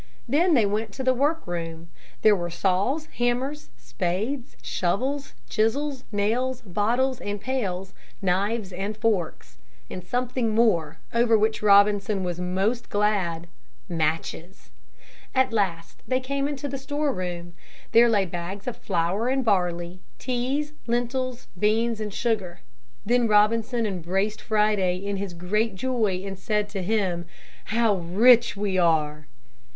Then they went to the work room. There were saws, hammers, spades, shovels, chisels, nails, bottles, and pails, knives and forks. And something more, over which Robinson was most glad, matches. At last they came into the store room. There lay bags of flour and barley, teas, lentils, beans and sugar. Then Robinson embraced Friday in his great joy and said to him, "How rich we are!"